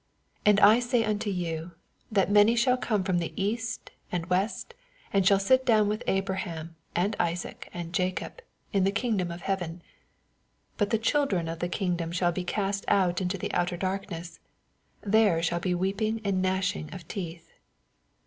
11 And I say unto you, That many shall come ftom the east and weat, and shall sit down with Abraham, and Isaac, and Jacob, in th« kingdoin of heaven. 12 But the children of the kingdom shall be cast out into outer darkness : there shall be weeping and gnashing of teeth.